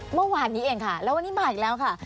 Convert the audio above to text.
เมื่อวานนี้เองค่ะแล้ววันนี้มาอีกแล้วค่ะ